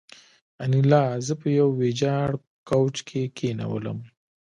انیلا زه په یوه ویجاړ کوچ کې کېنولم